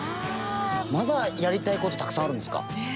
まだやりたいことたくさんあるんですか？